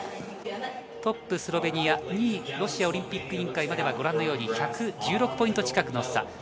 トップ、スロベニア、２位のロシアオリンピック委員会までは１１６ポイント近くの差。